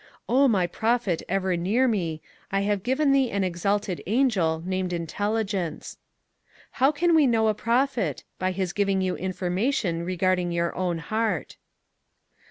"O my Prophet ever near me, I have given thee an exalted angel named Intelligence." ^^ How can we know a prophet ? By his giving you informa tion regarding your own heart."